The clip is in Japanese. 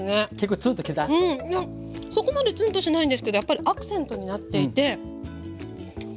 そこまでツンとしないんですけどやっぱりアクセントになっていて。